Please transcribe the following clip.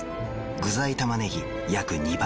具材たまねぎ約２倍。